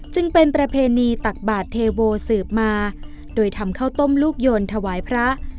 จึงเป็นประเพณีตักบาทเทโวสืบมาโดยทำข้าวต้มลูกยนต์ถวายพระ